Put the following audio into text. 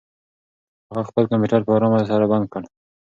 هغه خپل کمپیوټر په ارامه سره بند کړ.